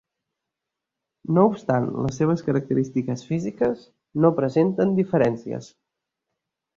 No obstant les seves característiques físiques no presenten diferències.